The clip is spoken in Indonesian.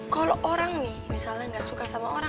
kalau orang nih misalnya gak suka sama orang